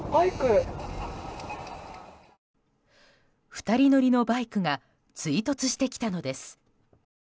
２人乗りのバイクが追突してきたのです。